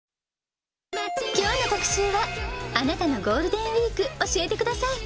きょうの特集は、あなたのゴールデンウィーク教えてください。